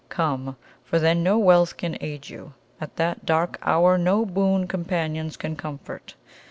Come; for then no wealth can aid you at that dark hour no boon companions can comfort.